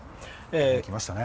来ましたね。